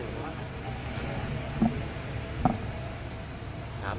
สวัสดีครับ